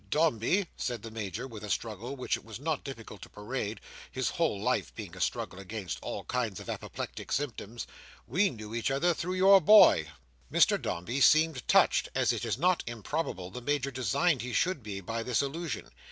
Dombey!" said the Major, with a struggle which it was not very difficult to parade, his whole life being a struggle against all kinds of apoplectic symptoms, "we knew each other through your boy." Mr Dombey seemed touched, as it is not improbable the Major designed he should be, by this allusion.